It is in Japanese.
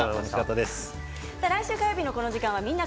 来週火曜日のこの時間は「みんな！